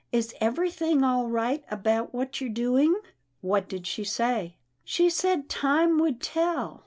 Is everything all right about what you're doing? '" "What did she say?" " She said time would tell."